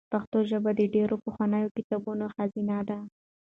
پښتو ژبه د ډېرو پخوانیو کتابونو خزانه ده.